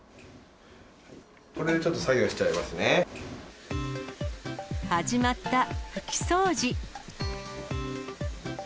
これでちょっと作業しちゃい始まった拭き掃除。